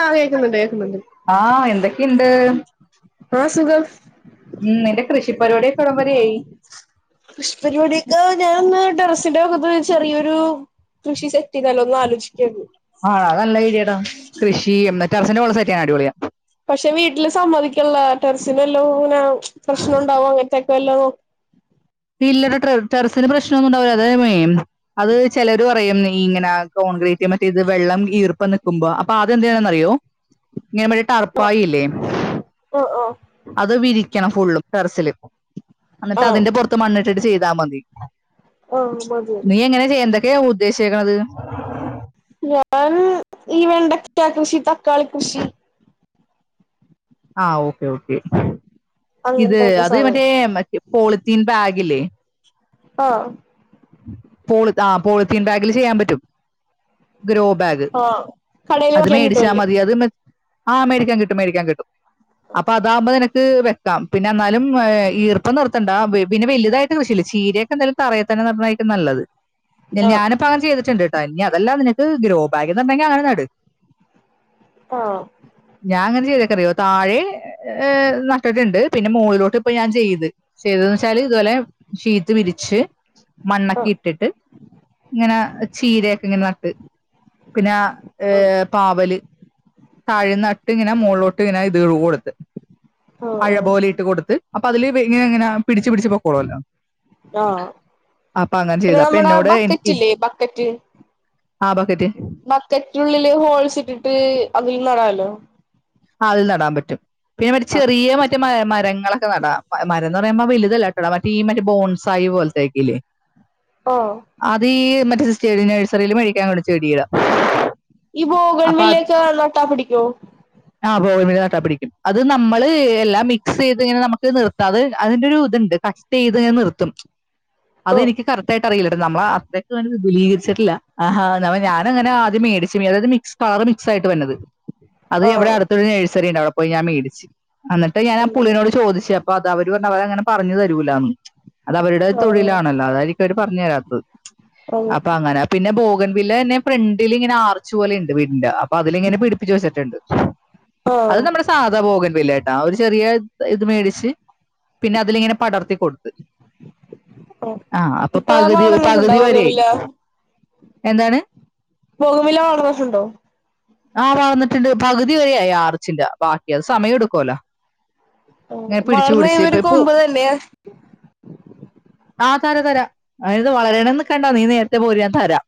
ആഹ് കേക്കുന്നുണ്ട് കേക്കുന്നുണ്ട് ആഹ് എന്തൊക്കെയുണ്ട് ആഹ് സുഖം ഉം നിന്റെ കൃഷിപ്പരിപടിയൊക്കെ എവിടെ വരയായി കൃഷി പരിപാടിയൊക്കെ ഞാനന്ന് ടെറസിന്റെ അകത്ത് ചെറിയൊരു കൃഷി സെറ്റ് ചെയ്താലോന്ന് ആലോചിക്കയായിരുന്നു ആഹ് അത് നല്ല ഐഡിയാടാ കൃഷി എന്ന ടെറസിൻ്റെ മുകളിൽ സെറ്റ് ചെയ്യാൻ അടിപൊളിയാ പക്ഷെ വീട്ടില് സമ്മതിക്കണില്ല ടെറിസിന് വല്ലോ ഇങ്ങനെ പ്രശ്നം ഉണ്ടാവും അങ്ങനത്തെയൊക്കെ വല്ലോ നോ ഇല്ലടാ ടെറസിന് പ്രശ്നം ഒന്നും ഉണ്ടാവില്ല അതേ അത് ചിലർ പറയും ഇങ്ങനെ കോൺക്രീറ്റ് മറ്റേ ഇത് വെള്ളം ഈർപ്പം നിൽക്കുമ്പോൾ അപ്പൊ അദ്യം എന്തു ചെയ്യണന്നറിയോ ഇങ്ങനെ ആഹ് ടർപ്പായില്ലേ ആഹ് അത് വിരി ക്കണം ഫുള്ളും ടെറസില് ആഹ് എന്നിട്ട് ആഹ് അതിന്റെ പുറത്ത് മണ്ണിട്ടട്ട് ചെയ്താൽ മതി ആഹ് മതി മതി നീ എങ്ങനെ ചെയ്യാ എന്തൊക്കെയാ ഉദ്ദേശിക്കണത് ഞാൻ ഈ വെണ്ടക്ക കൃഷി തക്കാളി കൃഷി ആഹ് ഓക്കേ ഓക്കെ ഇത് അങ്ങനത്തെക്കെ അത് സാധനം മറ്റേ പോളിത്തീൻ ബാഗില്ലേ ആഹ് പോള്ത്ത് ആഹ് പോളിത്തീൻ ബാഗില് ചെയ്യാൻ പറ്റും ഗ്രോ ബാഗ് ആഹ് കടേല് അത് വാങ്ങിക്കാൻ മേടിച്ചാ കിട്ടുവല്ലേ മതി അത് മ് ആഹ് മേടിക്കാൻ കിട്ടും മേടിക്കാൻ കിട്ടും അപ്പ അതാവുമ്പോ നിനക്ക് വെക്കാം പിന്നെന്നാലും ഏഹ് ഈർപ്പം നിർത്തണ്ട വി പിന്നെ വലുതായിട്ട് കൃഷില്ല ചീരയൊക്കെന്താലും തറെ തന്നെ നട്ന്നായിക്കും നല്ലത് ആഹ് ഞ-ഞാനും പ്പ അങ്ങനെ ചെയ്തിട്ട്ണ്ട് ട്ടോ ഇനി അതല്ല നിനക്ക് ഗ്രോ ബാഗിൽ നടണെങ്കി അങ്ങനെ നട് ആഹ് ഞാ ങ്ങനെ ചെയ്ത്ക്കറിയോ താഴി ഏഹ് നട്ട്ട്ട്ണ്ട് പിന്നെ മോളിലോട്ട് ഇപ്പ ഞാൻ ചെയ്ത് ചെയ്ത് ന്ന് വെച്ചാല് ഇതുപോലെ ശീറ്റ് വിരിച്ച് മണ്ണൊക്കെ ആഹ് ഇട്ടിട്ട് ങ്ങന ചീരയൊക്കെ ഇങ്ങനെ നട്ട് പിന്നെ ഏഹ് ആഹ് പാവല് താഴെന്നട്ട് ങ്ങനെ മോള്ളോട്ട് ങ്ങനെ ഇത് [unintelligible] കൊടുത്ത് അഴ ആഹ് പോലെ ഇട്ട് കൊടുത്ത് അപ്പ അതില് വെ-ഇങ്ങന ഇങ്ങന പിടിച്ച് പിടിച്ച് പൊക്കോളല്ലോ ആഹ് അപ്പ അങ്ങനെ പിന്നെ ചെയ്ത അപ്പ നമ്മടെ എന്നോട് എൻക്കെ ബക്കറ്റില്ലേ ബക്കറ്റ് ആഹ് ബക്കറ്റ് തെറ്റുള്ളില് ഹോൾസ് ഇട്ടിട്ട് അതിലും നടാലോ ആഹ് അതിൽ നടാൻ പറ്റും പിന്നെ മറ്റേ ചെറിയ മറ്റേ മഴ മരങ്ങളൊക്കെ നടാ പ-മരംന്നറയുമ്പോ വലുതല്ല നട മറ്റേ ഈ മറ്റേ ബോൺസ് ആയ് പോൽത്തേക്കല്ലേ ഹോ അതീ മറ്റേ [unintelligible] നഴ്സറീല് മേടിക്കാൻ ഉള്ള ചെടിയാ ഈ ബോഗൻവില്ലേക്കാ നട്ടാ പിടിക്കോ? ആഹ് ബോഗൻവില്ല നട്ട പിടിക്കും, അത് നമ്മള് എല്ലാം മിക്സ് ചെയ്ത് ഇങ്ങനെ നമുക്ക് നിർത്താതെ അതിന്റെ ഒരു ഇത്ണ്ട് കട്ട് ചെയ്ത്ങ്ങനെ നിർത്തും, ഓ അതെനിക്ക് കറ റ്റായിട്ട് അറിയില്ലട്ടൊ നമ്മള അത്രക്കങ്ങട്ട് വിപുലീകരിച്ചിട്ടില്ല, ആഹ് അപ്പൊ ഞാനു അങ്ങന ആദ്യം മേടിച്ചു പിന്നെ അത് അത് മിക്സ് കളറ് മിക്സ് ആയിട്ട് വര്നത്. അത് ഇവിടെ ആഹ് അടുത്തൊരു നഴ്സറി ഇണ്ട് അവിടെ പോയി ഞാൻ മേടിച്ച് അന്നിട്ട് ഞാൻ ആ അങ്ങനെ പുള്ളിനോട് ചോദിച്ച് അപ്പ അത് അവര് പറഞ്ഞു അവര് അത് അങ്ങനെ പറഞ്ഞു തരൂലാന്ന്. അത് അവരുടെ ഒരു ആഹ് തൊഴിലാണല്ലോ അതായിരിക്കു അവര് പർഞ്ഞു തരാത്തത്. അതെ അപ്പ അങ്ങനെ പിന്നെ ബോഗൻ വില്ലെ എന്നെ ഫ്രണ്ടിലിങ്ങനെ ആർച്ച് പോലെ ഇണ്ട് വീടിന്റെ അ പ്പ അതിലങ്ങനെ പിടിപ്പിച്ച് വെച്ചിട്ട്ണ്ട്. ആഹ് അത് നമ്മടെ സാധാ ബോഗൻ വില്ലേ ട്ടാ ഒരു ചെറിയ ഇത് മേടിച്ച് പിന്നെ അതിലിങ്ങനെ പടർത്തി കൊടുത്ത്. ആഹ്, അപ്പൊ ഇപ്പൊ പകുതി ഒരു വളർന്നിട്ടുണ്ടോ പകുതി ബോഗൺ വരെ, വില്ല എന്താണ്? ബോഗൻ വില്ല വളർന്ന്ട്ട്ണ്ടോ? ആഹ്, വളർന്നിട്ട്ണ്ട് പകുതി വരെ ആയി ആർച്ചിന്റ ബാക്കി അത് സമയൊടുക്കോല്ലോ ഓഹ്, വളർന്ന് കയ്യുമ്പോൾ ഒരു കൊമ്പ് തരണെ ആഹ് തര തര അതായത് വളരേനൊന്നിക്കണ്ട നീ നേര്ത്തെ പോര് ഞാൻ തരാ.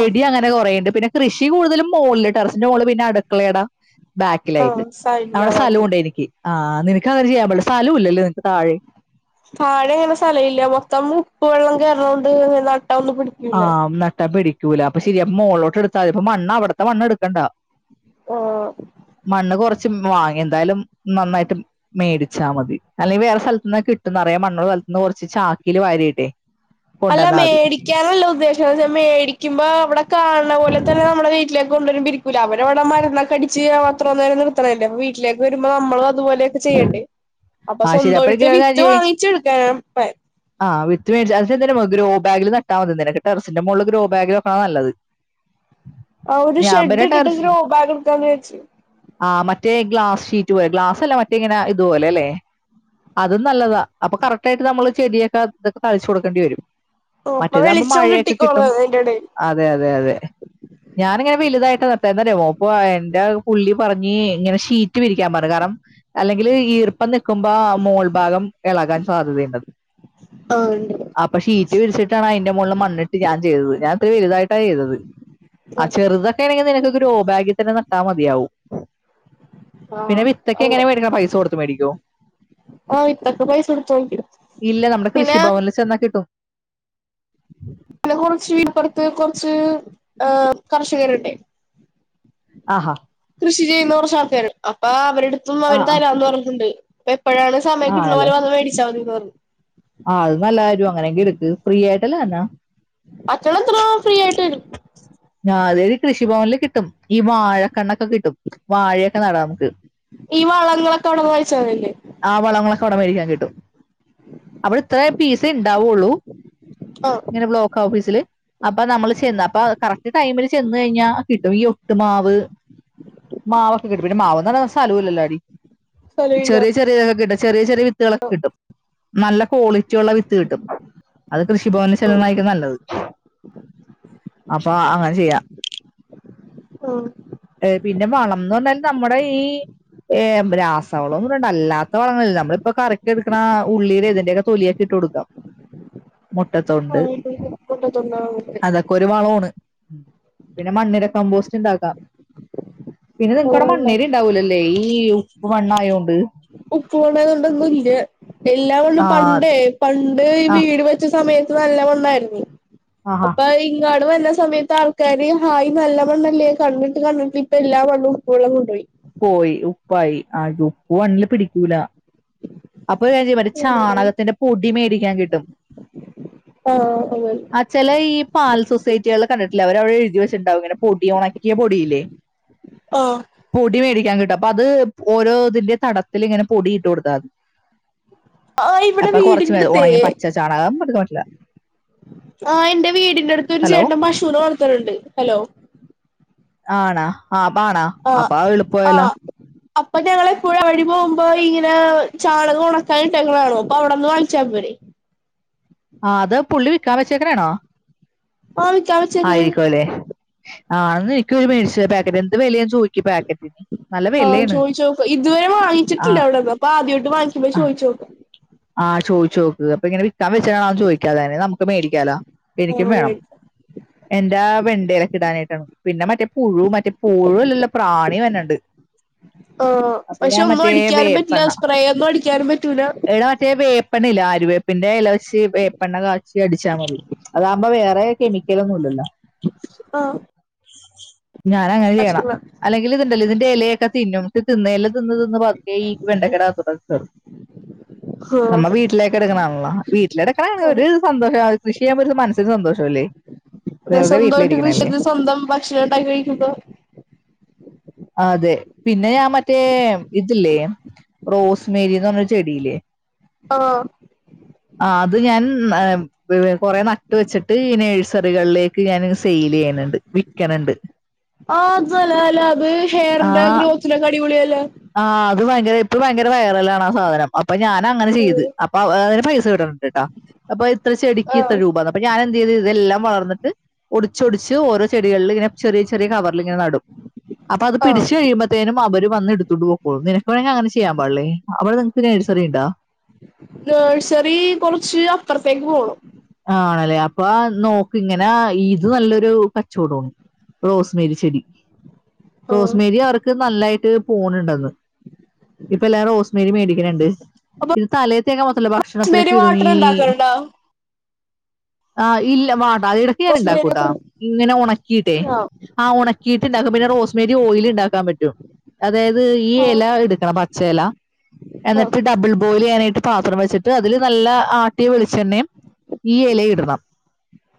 ആഹ് അങ്ങനെ കൊറേണ്ട്, പിന്നെ കൃഷി കൂടുതലും മോള്ല് ടെറസിന്റെ മോള് പിന്നെ അടുക്കളേട ബാക്കിലായിട്ട് ആഹ് അവടെ സൈഡിലാതാക്കി സലോണ്ട് എനിക്ക് ആഹ് നിനക്ക് അങ്ങനെ ചെയ്യാൻ പാടില്ല സലോല്ലല്ലൊ നിൻക്ക് താഴെ. താഴെ അങ്ങനെ സ്ഥല ഇല്ല മൊത്തം ഉപ്പ് വെള്ളം കേർണോണ്ട് അങ്ങനെ നട്ട ഒന്ന് പുടി ആം നട്ടാ പിടിക്കൂല അപ്പ ശരി അപ്പ മോളിലോട്ട് എടുത്താല് അപ്പ മണ്ണ് അവ്ട്ത്തെ മണ്ണ്ട്ക്കണ്ടാ. ഓഹ് മണ്ണ് കൊറച്ച് ഉം വാങ്ങ് എന്തായാലും നന്നായിട്ട് മേടിച്ചാൽ മതി അല്ലെയ് വേറെ സ്ഥലത്ത്ന്ന് കിട്ടും, നെറേ മണ്ണുള്ള സ്ഥലത്ത്ന്ന് കൊർച്ച് ചാക്കില് വാരി ഇടേ. അല്ല മേടിക്കാനല്ല ഉദ്ദേശം അവിടെ ചെന്ന് മേടിക്കുമ്പോ അവടെ കാണ് ണ പോലെ തന്നെ നമ്മളെ വീട്ടിലെ കൊണ്ടരുമ്പം ഇരിക്കൂല അവര് അവിടെ മരുന്നൊക്കെ അടിച്ച് അത്രോ നേരം നിർത്തണല്ലേ, അപ്പ വീട്ടിലേക്ക് വരുമ്പോ നമ്മളു അതുപോലെ ചെയ്യണ്ടേ അപ്പൊ ആ ശരി സ്വന്ത എനിക്ക് ആയിട്ട് വിത്ത് വാങ്ങിച്ച് എടുക്കാൻ പെ ആഹ് വിത്ത് മേടിച്ച് അനക്ക് [unintelligible] ഗ്രോ ബാഗില് നട്ടാൽ മതി നിനക്ക് ടെറസിൻ്റെ മോളില് ഗ്രോ ബാഗില് വക്ക്ണാ നല്ലത്. [inaudible] ആ ഒരു ഞാൻ ഷെഡ് പിന്നെ ഇട്ട്ട്ട് ഗ്രോബാഗ് എടുക്കാന്ന് വച്ച്. ആഹ്, മറ്റേ ഗ്ലാസ് ഷീറ്റ് പോലെ ഗ്ലാസ് അല്ല മറ്റേ ഇങ്ങനെ ഇതുപോലെ അല്ലെ അതും നല്ലതാ അപ്പൊ കറക്റ്റ് ആയിട്ട് നമ്മള് ചെടിയൊക്കെ അതൊക്കെ തളിച്ചു കൊടുക്കേണ്ടി വരും. അപ്പൊ മറ്റേതാവുമ്പോ വെളിച്ചം മഴയൊക്കെ കിട്ടിക്കോളും കിട്ടും. അതിന്റെ ഇടയിൽ അതെ അതെ അതെ ഞാനിങ്ങനെ വലുതായിട്ട് നട്ടെ എന്താന്നറിയോ [unintelligible] എന്റെ അഹ് പുള്ളി പറഞ്ഞ് ഇങ്ങനെ ഷീറ്റ് വിരിക്കാൻ പറഞ്ഞു കാരണം അല്ലെങ്കിലും ഈർപ്പം നിൽക്കുമ്പോൾ മോൾ ഭാഗം ഇളകാൻ സാധ്യതയുണ്ട്. ആഹ്, ഇണ്ട് ടാ അപ്പ ഷീറ്റ് വിരിച്ചിട്ടാണ് അയിന്റെ മുകളിൽ മണ്ണിട്ട് ഞാൻ ചെയ്തത് ഞാൻ ഇത്തിരി വലുതായിട്ടാണ് ചെയ്തത്. ആഹ്, ചെറുതൊക്കെ ആണെങ്കിൽ നിനക്ക് ഗ്രോബാഗിൽതന്നെ നട്ടാൽ മതിയാവും. ആ പിന്നെ വിത്തക്കെ എങ്ങനെ മേടിക്ക്‌ണെ പൈസ കൊടുത്ത് മേടിക്കോ? ആ വിത്തൊക്കെ പൈസ കൊടുത്ത് വാങ്ങിക്കും ഇല്ല, നമ്മള് പിന്നെ കൃഷിഭവനിൽ ചെന്നാൽ കിട്ടും. പിന്നെ കുറച്ച് വീടിപ്പുറത്ത് കുറച്ച് ഏഹ് കർഷകരുണ്ട്. ആഹ് കൃഷി ചെയ്യുന്ന കുറച്ച് ആൾക്കാര് അപ്പൊ അവരുടുത്തൊന്നു ആ അവര് തരാന്ന് പറഞ്ഞിട്ടുണ്ട്. അപ്പൊ എപ്പഴാണ് ആ സമയം കിട്ടണപോലെവന്ന് മേടിച്ച മതിന്ന് പറഞ്ഞു ആഹ് അത് നല്ല കാര്യ അങ്ങനെങ്കി എടുക്ക് ഫ്രീ ആയിട്ടല്ലോ തന്നാ [unintelligible] ഫ്രീയായിട്ട് രും ഞാരികൃഷിഭവനില് കിട്ടും ഈ വാഴക്കണ്ണക്ക കിട്ടും വാഴക്കെ നടാം മുക്ക് ഈ വളങ്ങളൊക്കെവടുന്ന് [unintelligible] ആ വളങ്ങളൊക്കെ അവിടെമേടിക്കാൻ കിട്ടും ഉ [inaudible] അവടെ ഇത്ര പേസേ ഇണ്ടാവുള്ളൂ ആഹ് ഇങ്ങനെ ബ്ലോക്ക് ഔഫീസില് അപ്പ നമ്മള് ചെന്ന് അപ്പ കറക്ട് ടൈമില് ചെന്ന കഴിഞ്ഞാ കിട്ടും ഈ ഒട്ട്മാവ് മാവൊക്കെ കിട്ടും പിന്നെ മാവ് ഒന്നും [inaudible] സഥലവില്ലലോഡീ സ്ഥലമില്ല ചെറിയ ചെറിയ ഇതക്കെ കിട്ടും ചെറിയ ചെറിയ വിത്തുകളൊക്കെ കിട്ടും നല്ല ക്വാളിറ്റി ഒള്ള വിത്ത് കിട്ടും അത് കൃഷിഭവനില് ചൊല്ലുന്നതായിരിക്കുംനല്ലത് അപ്പ അങ്ങനെ ചെയ്യാം ആഹ് ഏയ് പിന്നെ വളംന്ന് വന്നാൽ നമ്മുടെ ഈ ഏഹ് രാസവളം ഒന്നും വേണ്ട അല്ലാത്ത വളങ്ങള് നമ്മളിപ്പൊ കറിക്ക് എടുക്കണ ഉള്ളീടെ ഇതിന്റെക്കെ തൊലിയക്കിട്ട് കൊടുക്കാം മുട്ടത്തൊണ്ട് ആഹ് അത ഒരു വളവൂണ് പിന്നെ മണ്ണിര കമ്പോസ്റ്റ് ഇണ്ടാക്കാം പിന്നെ നിക്കവടെമണ്ണേരി ഇണ്ടാവൂലല്ലേ ഈ ഉപ്പ് മണ്ണ് ആയോണ്ട് ഉപ്പു മണ്ണയത് കൊണ്ടൊന്നും ഇല്ല എല്ലാ മണ്ണും ആഹ് പണ്ടേ പണ്ട് ഈ ആഹ് വീട് വെച്ച സമയത്ത് നല്ല മണ്ണായിരുന്നു ആഹാ അപ്പൊ ഇങ്ങാട് വന്ന സമയ ആൾക്കാരി ഹായ് നല്ല മണ്ണല്ലേ കണ്ണ്ട്ട് കണ്ണ് ട്ട് ഇപ്പ എല്ലാ മണ്ണും ഉപ്പ് വെള്ളം കൊണ്ടുപോയി പോയി ഉപ്പായി ആഹ് ഉപ്പ് വണ്ണില് പിടിക്കൂല അപ്പൊ ഒരു കാര്യം ചെയ്യ്‌ മറ്റേ ചാണകത്തിന്റെ പൊടി മേടിക്കാൻ കിട്ടും ആഹ് അങ്ങനെ [unintelligible] ചില ഈ പാൽ സൊസൈറ്റികൾ കണ്ടിട്ടിലേ അവര് അവടെ എഴുതി വച്ചിട്ടുണ്ടാവും ഇങ്ങനെ പൊടി ഒണക്കിയ പൊടില്ലേ ആഹ് പൊടി മേടിക്കാൻ കിട്ടും അപ്പൊ അത് ഓരോ ഇതിന്റെ തടത്തിൽ ഇങ്ങനെ പൊടി ഇട്ടു കൊടുത്താ തി ആഹ് ഇവിടെ അപ്പൊ കൊറച്ചു വീടിന്റെ വേൾ അടുത്തേ ഉണങ്ങി പച്ച ചാണകം [unintelligible] പറ്റില്ല ആഹ് എന്റെ വീടിന്റെ അടുത്ത് ഒരു ഹലോ ചേട്ടൻ പശൂന വളർത്തണംണ്ട് ഹലോ ആഹ്ണ ആഹ് ആഹ് അപ്പൊ ഞങ്ങൾ എപ്പോഴും വഴി പോകുമ്പോ ഇങ്ങനെ ചാണകം ഉണക്കാനിട്ടേക്ക്ണ കാണു അപ്പൊ അവിടെന്ന് വാങ്ങിച്ചാ പോരെ ആഹ് അത് പുള്ളി വിക്കാൻ വെച്ചേക്കനാണോ ആഹ് വിക്കാൻ വെച്ചേക്കണ് ആയിരിക്കല്ലെ [unintelligible] ന്ന് എനിക്കൊരു മേടിച്ച പാക്കറ്റ് എന്ത് വിലിയാൻ ചോദിക്കും പാക്കറ്റ് ആഹ് ചോയിച്ചു നോക് ഇതുവരെ ആ വാങ്ങിച്ചിട്ടില്ല അവിടെന്ന് അപ്പ ആദ്യട്ട് വാങ്ങിക്കുമ്പോ ചോദിച്ചു നോക് ആഹ് ചോദിച്ച് നോക്ക് അപ്പ ഇങ്ങനെ വിക്കാൻ വെച്ചാണ ചോദിക്കാതെന്നെ നമുക്ക് മേടിക്കാലാ എനിക്കും ആഹ് വേണം മേടിക്കാം എന്റെ വെണ്ടലക്ക ഇടാനായിട്ടാണ് പിന്നെ മറ്റേ പുഴു മറ്റേ മറ്റേ പുഴുവ അല്ലലോ പ്രാണി വരണണ്ട് ആഹ് പക്ഷെ ഒന്നും അടിക്കാനും പറ്റില്ല വേപ്പെണ്ണ സ്പ്രേ ഒന്നും അടിക്കാനും പറ്റൂല എടാ മറ്റേ വേപ്പണ്ണല്ല ആരുവേപ്പിന്റെ ഇല വെച്ച് വേപ്പെണ്ണ കാച് ച്ചി അടിച്ചാ മതി അതാകുമ്പോ വേറെ കെമിക്കലൊന്നും ഇല്ലല്ലോ ആഹ് ഞാന അങ്ങനെ ചെയ്യണം അല്ലെങ്കിൽ ഇതുണ്ടല്ലോ ഇതിന്റെ ഇലയൊക്ക തിന്നും ഇല തിന്ന് തിന്ന് പതുക്കെ ഈ വെണ്ടക്കെടാ കത്ത് കയറും നമ്മ വീട്ടിലേക്ക എടുക്കണല്ലോ വീട്ടിലെടുക്കണങ്കിൽ ആഹ് ഒരു സന്തോഷം കൃഷി ചെയ്യാൻപറ്റുന്നത് മനസ്സിന് സന്തോഷമല്ലേ അതെ വെറുതെ സ്വന്തംമായിട്ട് കൃഷി വീട്ടിലിരിക്കണല്ലേ ചെയ്ത് സ്വന്തം ഭക്ഷണം ഇണ്ടാക്കി കഴിക്കുമ്പം അതെ പിന്നെ ഞാൻ മറ്റേ ഇതില്ലേ റോസ് മേരിന്ന് പറഞ്ഞരു ചെടില്ലേ ആഹ് ആ അത് ഞാൻ കൊറെ നട്ട് വെച്ചിട്ട് ഇന നെഴ്സറികളിലേക്ക് ഞാൻ സെയിൽ ചെയ്യുന്നുണ്ട്. വിക്കണണ്ട് ആ അതല്ല അല്ല അത് ഹെയറിന്റെ ഗ്രോത്തിലക്ക അടിപൊളിയല്ലേ ആഹ് അത് ഭയങ്കര ഇപ്പ ഭയങ്കര വയറല ആണ് ആ സാധനം അപ്പൊ ഞാൻ അങ്ങനെ ചെയ്ത് അതെ അപ്പ അതിന് പൈസ കിട്ടണണ്ട്ട്ടാ അപ്പൊ ഇത്ര ചെടിക്ക് ഇത്ര ആഹ് രൂപ അപ്പ ഞാന് എന്ത് ചെയ്തു ഇതെല്ലാം വളർന്ന്ട്ട് ഒടിച്ചൊടിച്ച് ഓരോ ചെടികളിൽ ഇങ്ങനെ ചെറിയ ചെറിയ കവറ്ൽ ഇങ്ങെ നടും അപ്പൊ അത് ആഹ് പിടിച്ച കഴിയുമ്പോത്തേനും അവര് വന്ന എടുത്തണ്ട് പോക്കോളും നിനക്ക് വേണെങ്കിൽ അങ്ങനെ ചെയ്യാൻ പാടില്ലേ അവിടെ നെഴ്സ സറിണ്ടാ നഴ്സറി കുറച്ച് അപ്പുറത്തേക്ക് പോണം ആണല്ലേ അപ്പൊ നോക്ക് ഇങ്ങനെ ഇത് നല്ലൊരു കച്ചോട റോസ്മേരി ചെടി ആഹ് റോസ്മേരി അവർക്ക് നല്ലായിട്ട് പോണുണ്ടന്ന് ഇപ്പൊ എല്ലാരും റോസ് മേരി മേടിക്കണ് ഇണ്ട് അപ്പൊ ഇത് തലേത്തേക്കെ മാത്രല്ല ഭക്ഷണത്തിലൊക്കെ റോസ്മേരി ഇടുമി വാട്ടർ ഉണ്ടാക്കാറുണ്ടോ ആ ഇല്ല വാട്ട അതി ഇടക്ക് ഞാൻ റോസ്മേരി ഇണ്ടാക്കൂട്ടാ വാട്ടർ ഇങ്ങനെ ഉണക്കിട്ടെ ആഹ് ആ ഉണക്കിയിട്ട്ണ്ടാക്കും പിന്നെ റോസ്മേരി ഓയിൽ ഉണ്ടാക്കാൻ പറ്റും അതായത് ഈ ആഹ് ഇല എടുക്കണം പച്ച ഇല ആഹ് എന്നിട്ട് ഡബിൾ ബോയിൽ ചെയ്യാനായിട്ട് പാത്രം വെച്ചിട്ട് അതിൽ നല്ല ആട്ടിയ വെളിച്ചെണ്ണയും ഈ ഇലയും ഇടണം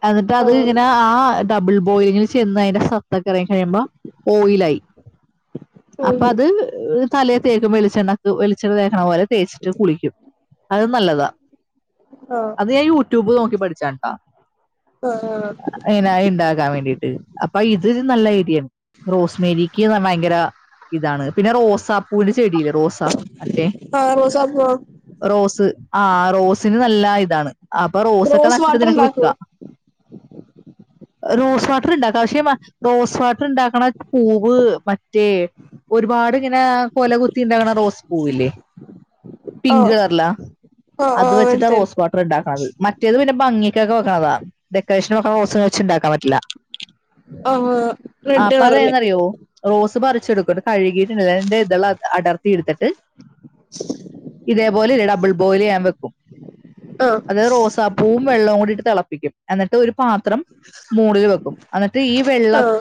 എന്നിട്ട് ആഹ് അത് ഇങ്ങനെ ആ ഡബിൾ ബോയിലിങ്ങിൽ ചെന്ന് അതിന്റെ സത്തക്ക ഇറങ്ങി കഴിയുമ്പോ ഓയിലായി അപ്പൊ അത് തലേ തേക്കുമോ വെളിച്ചെണ്ണക്ക് വെിച്ചെണ്ണ തേക്കണ പോലെ തേച്ചിട്ട് കുളിക്കും അത് നല്ലതാ ആഹ് ആഹ് അത് ഞാൻ യൂട്യൂബ് നോക്കി പഠിച്ചട്ടാ ആഹ് അങ്ങനെ ഇണ്ടാക്കാൻ വേണ്ടീട്ട് അപ്പൊ ഇത് നല്ല ഐഡിയാണ് റോസ് മേരിക്ക് ഭയങ്കര ഇതാണ് പിന്നെ റോസാപ്പൂവിന്റെ ചെടില് റോസാ മറ്റേ ആഹ് റോസ് ആഹ് റോസ് ആഹ് റോസിന് നല്ല ഇതാണ് അപ്പൊ റോസൊക്കെ റോസ് നട്ടിട്ട് വാട്ടർ നിനക്ക് ഉണ്ടാക്കോ വിക്കാ റോസ് വാട്ടർ ഇണ്ടാക്ക പക്ഷെ റോസ് വാട്ടർ ഇണ്ടാക്കണ പൂവ് മറ്റേ ഒരുപാട് ഇങ്ങനെ കൊല കുത്തി ഉണ്ടാക്കണ റോസ് പൂവില്ലേ പിങ്ക് ആഹ് കളറല്ല ആഹ് അത് ആഹ് വെച്ചിട്ടാ മനസ്സിലായി റോസ് വാട്ടർ ഇണ്ടാക്ക ണത് മറ്റേത് പിന്നെ ഭംഗിക്കൊക്കെ വെക്കണതാ ഡെക്കറേഷൻ വക്ക്ണ റോസ് വെച്ച് ഉണ്ടാക്കാൻ പറ്റില്ല ആഹ് ആഹ് റെഡ് അപ്പൊ കളറല്ലേ ഏതന്ന്റിയോ റോസ് പറിച്ചടുക്കും കഴുകിയിട്ടണ്ടില്ലന്റെ ഇത അടർത്തിെടുത്തിട്ട് ട്ട് ഇതേപോലെ ഡബിൾ ബോയിൽ ചെയ്യാൻ വെക്കും ആഹ് അത് റോസാപ്പൂവും വെള്ളവും കൂടിയിട്ട് തിളപ്പിക്കും എന്നിട്ട് ഒരു പാത്രം മൂളില് വെക്കും എന്നിട്ട് ഈ വെള്ള ആഹ്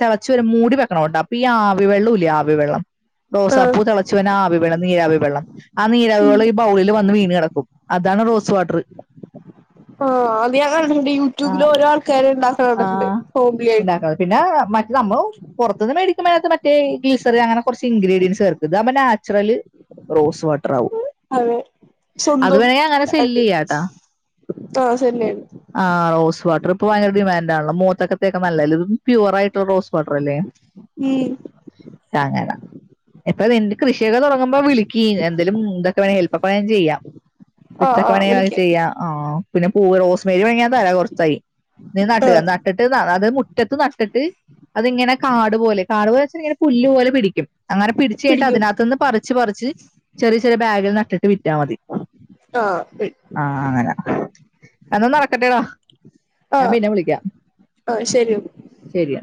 തിളച്ച വരെ മൂടി വെക്കണോണ്ടോ അപ്പൊ ഈ ആവി വെള്ളൂല്ലേ ആവി വെള്ളം ആഹ് റോസാപ്പൂ തിളച്ചുവന ആവി നീരവി വെള്ളം ആ നീരവി ഉം വെള്ളം ഈ ബൗളിൽ വന്ന് വീണ് കിടക്കും അതാണ് റോസ് വാട്ടർ ആഹ് അത് ഞാൻ കണ്ടിട്ടുണ്ട് യൂട്യൂബില് ഓരോ ആൾക്കാര്ണ്ടാ ആഹ് ഇണ്ടാക്ക പിന്നെ മറ്റ സംഭവ പുറത്തുന്ന് മേടിക്കുമോഴക മറ്റേ ഗീസർ അങ്ങനെ കുറച്ച് ഇൻഗ്രീഡിയൻസ് കേർക്ക അപ്പൊ നാച്ചുറല് റോസ് വാട്ടറാവും അതെ സ്വന്തം സെല്ല് ആട്ട് ചെയ്യാട്ടാ ആഹ് സന്നെയാണ് ആ റോസ് വട്ടർ ഇപ്പൊ ഭയങ്ക ഡിമാൻഡ് ആണല്ലോ മൂത്തക്കത്തൊക്കെ നല്ലേ ഇത് പ്യൂർ ആയിട്ടുള്ള റോസ് വാട്ടർ അല്ലേ ഉം സാങ്ങല്ല ഇപ്പൊ നിന്റെ കൃഷിയൊക്കെ തുടങ്ങുമ്പോൾ വിളികീ എന്തേലും ന്തൊക്കെ വേണങ്കി ഹെൽപ്പ്ക്കെ ഞാൻ ചെയ്യാം ആഹ് വിത്തോക്കെ ആഹ് വേണേൽ അത് വിളിക്കാം ചെയ്യ ആ പിന്നെ പൂ റോസ് മേരി വേണങ്കിൽ ഞാൻ തരാ കുറച്ചായി നീ നട്ടുക ആഹ് നട്ടിട്ട് അത് മുറ്റത്ത് നട്ടിട്ട് അതിങ്ങനെ കാട് പോലെ കാട് പോലെ വെച്ച ഇങ്ങനെ പുല്ല് പോലെ പിടിക്കും അങ്ങനെ പിടിച്ച് കഴിഞ്ഞട്ട് പിടിക്കും അതിനകത്ത് നിന്ന് പറിച്ച്ച് പറിച്ച് ചെറിയ ചെറിയ ബാഗിൽ നട്ടിട്ട് വിറ്റാ മതി ആഹ് ആഹ് അങ്ങനെ എന്നും നടക്കട്ടെടോ ആഹ് ആഹ് ശരി ന്നാ ശരിയ